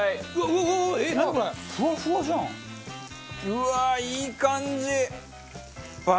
うわーいい感じ！